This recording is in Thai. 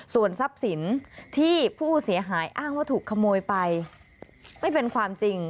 ส่วนทรัพย์สินที่ผู้เสียหายอ้างว่าถูกขโมยไปไม่เป็นความจริง